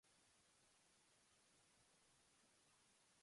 ¿no hacen también así los Gentiles?